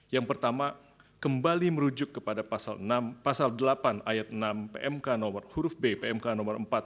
yang pertama kembali merujuk kepada pasal delapan ayat enam pmk no empat tahun dua ribu dua puluh tiga